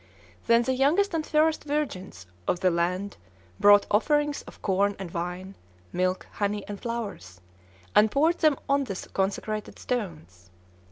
Then the youngest and fairest virgins of the land brought offerings of corn and wine, milk, honey, and flowers, and poured them on the consecrated stones.